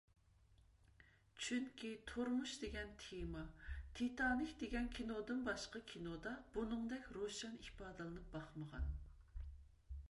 چۈنكى تۇرمۇش دېگەن تېما، تىتانىك دېگەن كىنودىن باشقا كىنودا بۇنىڭدەك روشەن ئىپادىلىنىپ باقمىغان.